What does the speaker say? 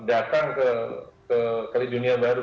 datang ke kaledonia baru